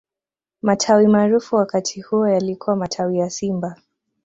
matawi maarufu wakati huo yalikuwa matawi ya simba